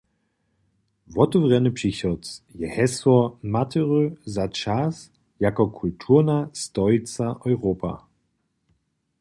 "Wotewrjeny přichod" je hesło Matery za čas jako kulturna stolica Europy.